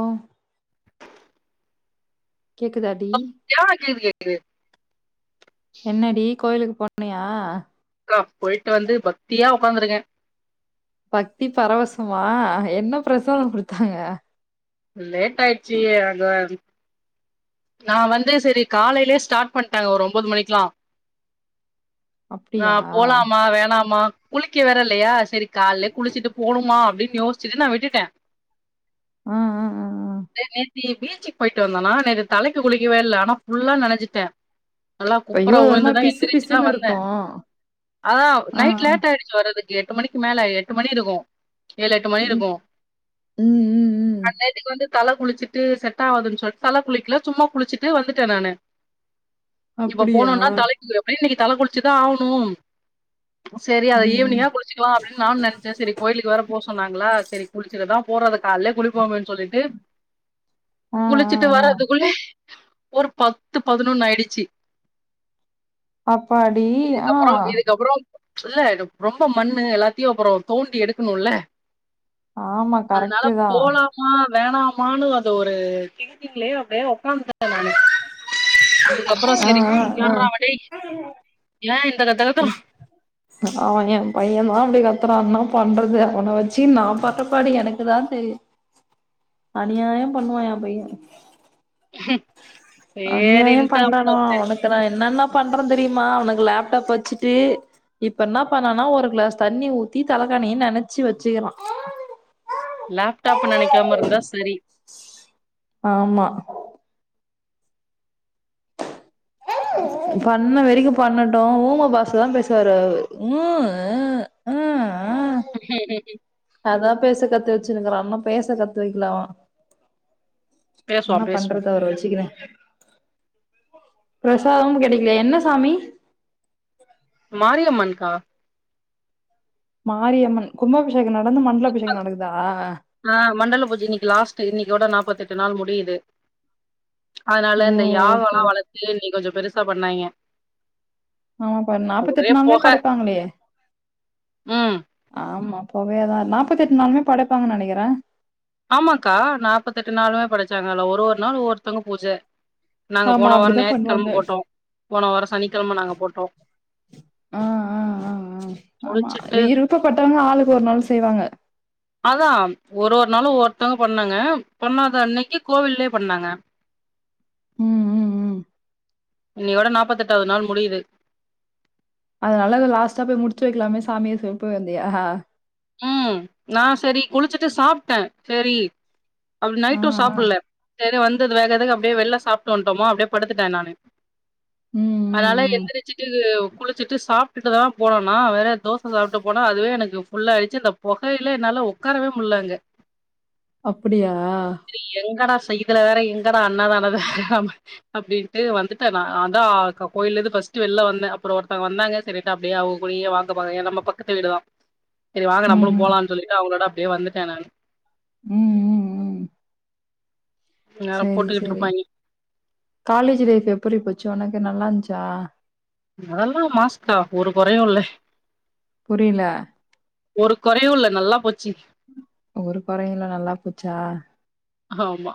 ஒ கேக்குதா டி யா அது கேக்குது என்னாடி கோயிலுக்கு போனியா கா போயிட்டு வந்து பக்தியா உக்காந்துருக்க பக்தி பரவசமா என்ன பிரசாத குடுத்தாங்க லேட்டாச்சி அதா நா வந்து சரி காலயிலயே ஸ்டார்ட் பண்ட்டாங்க ஒரு ஒம்போது மணிக்கலா ஆ அப்படியா போலாமா வேணாமா குளிக்க வேற இல்லயா செரி கால்லயே குளிச்சிட்டு போணுமா அப்டீன்னு யோசிச்சுட்டு நா விட்டுட்டே ஆ ஆ ஆ, ஆ. நேத்தி பீச்சிக்கு போயிட்டு வந்த நா நேத்து தலைக்கு குளிக்கவே இல்ல ஆனா புஃல்லா நனச்சிட்ட நல்லா ஐயோ குப்பரா அது ஒரு உய்ந்து மாதிரி தா பிசு எந்திரிச்சி தா பிசுன்னு வந்த இருக்கும் அதா ஆ நைட் ஆ. லேட்டாயிடுச் ஏஞ்ச்சுவரதுக்கு எட்டு மணிக்கு மேல எட்டு மணி இருக்கு ஏழு எட்டு மணி ம் இருக்கு ம் ம் ம். அன்னேத்துக்கு வந்து தல குளிச்சிட்டு செட் ஆவாதுன்னு சொல்ட்டு தல குளிக்கல சும்மா குளிச்சுட்டு வந்துட்ட நானு இவா அப்படியா போனோனா தலைக் எப்டியு இன்னிக்கி தல குளிச்சிதா ஆவனு சரி அத ம் ம். ஈவினிங்கா குளிச்சிக்கலா அப்டின்னு நானு நெனச்சே சரி கோயிலுக்கு வேற போக சொன்னாங்களா சரி குளிச்சுட்டுதா போறது காலயே குளிப்போமே சொல்லிட்டு ஆ ஆ குளிச்சிட்டு வர ஆ அது ஒரு பத்து பதினொன்னு ஆயிடுச்சி அப்பாடி ஆ இதுக்கப்றோ இதுக்கப்பறோம் இல்ல இது ரொம்ப மண்ணு எல்லாத்தியு அப்பரோ தோண்டி எடுக்கணுல்ல ஆமா அதுனால கரெக்டு தான் போலா ஆ வேணாமானு அது ஒரு திங்கிங்லயே அப்டியே உக்காந்த நானு அதுக்கப்பறோ ஆ ஆ சரி ஆ யார்ரா அவ டேய் ஏ இந்த கத்து கத்துறா அவ எ பையந்தா அப்டி கத்துறா அண்ணா பண்றது அவன வச்சு நா பட்றபாடு எனக்கு தான தெரியு அநியாய பண்ணுவா ஏ பைய அநியாயம் சேரின்ட்டு அப்புறோ பண்றடா சரி உனக் இப்பலா என்னன்ன பண்ற தெரியுமா அவனுக்கு லேப்டாப் வச்சுட்டு இப்ப என்னா பண்ணனா ஒரு கிளாஸ் தண்ணி ஊத்தி தலக்காணிய நனச்சி வச்சிக்கிறா லாப்டாப் நனக்காம இருந்தா சரி ஆமா பண்ண வரைக்கு பண்ணட்டு ஊம பாச தான் பேசுவாரு அவரு ஊ அ அ அ ம் ம் ம்! அதா பேச கத்து வச்சுருக்குறா பேச கத்து வெக்கல அவ பேசுவோ என்னா பேசுவோ பண்றது அவர வச்சுக்கினு பிரசாதம் கெடைக்கலை என்ன சாமி மாரியம்மன்க்கா மாரியம்மன் கும்பாபிஷேகோ நடந்து மண்டல அபிஷேகோ நடக்குதா ஆ மண்டல பூஜ இன்னைக்கு லாஸ்ட் இன்னைக்யோட நாப்பத்தெட்டு நாள் முடியுது ஓ அதனால இந்த ஓகே யாகோலா ஓகே வளத்து இன்னக்கி கொஞ்ஜோ பெருசா பண்ணாங்க ஆமாப்பா நாப்பத்தெட்டு நாளுமே படைப்பாங்களே ம் ஆமா புகையாதா நாப்பத்தெட்டு நாளுமே படைப்பாங்கன்னு நெனைக்கிற ஆமாக்கா நாப்பத்தெட்டு நாளுமே படைச்சாங்க அதுல ஒரு ஒரு நாள் ஒவ்வொருத்தவங்க பூஜ நாங்க ஆமா போன வாரோ அப்டிதா ஞாயித்துகெழம பண்ணுவாங்க போட்டோ போன வாரோ சனிக்கெழம நாங்க போட்டோ ஆ முடிச்சிட்டு விருப்ப பட்டவங்க ஆளுக்கு ஒரு நாள் செய்வாங்க அதா ஒரு ஒரு நாளு ஒருத்தவங்க பண்ணாங்க பண்ணாத அன்னைக்கு கோவில்லயே பண்ணாங்க ம் ம் ம் இன்னையோட நாப்பத்தெட்டாவது நாள் முடியுது அதனால அத லாஸ்ட்டா போய் முடிச்சு வைக்கலாமே சாமிய சொல்லி போய் வந்தியா ம் நா செரி குளிச்சிட்டு சாப்ட்டே செரி அப்டி ஆ நைட்டு சாப்ல்ல செரி வந்தது வேகத்துக்கு அப்டியே வெளில சாப்ட்டு வந்துட்டோம அப்டியே படுத்துட்டே நானு ம் ம் அதனால ம் எந்திரிச்சிட்டு குளிச் சிட்டு சாப்ட்டு தா போனனா வேற தோச சாப்ட்டு போனா அதுவே எனக்கு ஃபுல்லாச்சு அந்த பொகையில என்னால ஒக்காரவே முடில அங்க அப்டியா இது எங்கடா செய் இதுல வேற எங்கடா அன்னதானது அப்டின்ட்டு வந்துட்டே நா அதா கோயில்லருந்து ஃபர்ஸ்ட் வெளில வந்தே அப்பறோ ஒருத்தவங்க வந்தாங்க செரின்ட்டு அப்டியே அவங்க கூடயே வாக்கப்போ ஏ நம்ம பக்கத்து வீடுதா செரி வாங்க ம் நம்மளு ம் போலான்னு சொல்லிட்டு அவங்களோட அப்டியே வந்துட்டே நானு ம் ம் இந்நேரோ செரி போட்டுக்கிட்டு செரி இருப்பாய்ங்க காலேஜ் லைஃப் எப்புர்ரி போச்சு ஒனக்கு நல்லா இருந்துச்சா அதெல்லா மாஸ்க்கா ஒரு கொறையு இல்ல புரியல ஒரு கொறையு இல்ல நல்லா போச்சி ஒரு கொறையு இல்ல நல்லா போச்சா ஆமா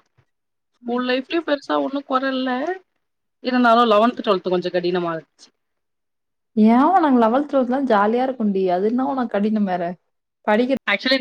ஸ்கூல் லைஃப்லயு பெருசா ஒண்ணு கொறை இல்ல இருந்தாலு லெவன்த் டுவல்த் கொஞ்சோ கடினமா இருந்துச்சு ஏலே நாங்க லெவல்த் டுவெல்த் ஜாலியா இருப்போன்டி அது என்ன ஒனக்கு கடினம் வேற படிக்கிற ஆக்சுவலி நா